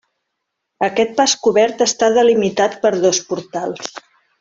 Aquest pas cobert està delimitat per dos portals.